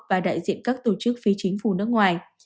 và đại diện các tổ chức phi chính phủ nước ngoài